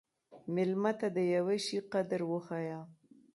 مېلمه ته د یوه شي قدر وښیه.